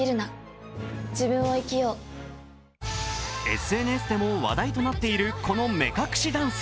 ＳＮＳでも話題となっているこの目隠しダンス。